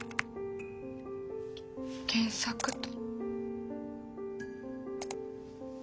検索と。